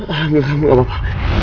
alhamdulillah kamu gak apa apa